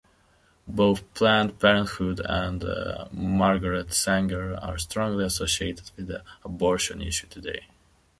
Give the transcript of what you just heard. Both Planned Parenthood and Margaret Sanger are strongly associated with the abortion issue today.